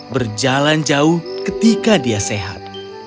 berjalan jauh ketika dia sehat